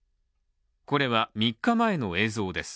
これは３日前の映像です。